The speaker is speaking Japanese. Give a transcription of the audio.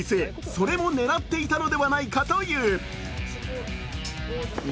それも狙っていたのではないかという。